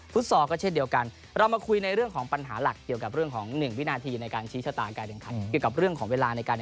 ฟุตสอร์ก็เช่นเดียวกันเรามาคุยในเรื่องของปัญหาหลักเกี่ยวกับเรื่องของ๑วินาทีในการชี้ชะตาการแด่งขัน